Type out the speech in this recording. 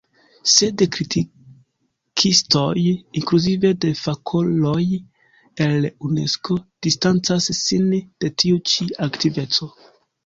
Sed kritikistoj, inkluzive de fakuloj el Unesko, distancas sin de tiu ĉi aktiveco.